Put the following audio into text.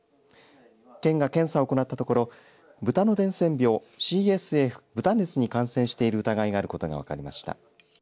県が検査を行ったところ豚の伝染病ＣＳＦ、豚熱に感染している疑いがあることが分かりました。